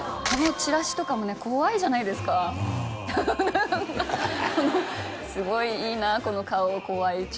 このチラシとかもね怖いじゃないですかすごいいいなこの顔怖い